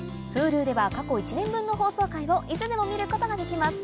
Ｈｕｌｕでは過去１年分の放送回をいつでも見ることができます